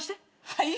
はい？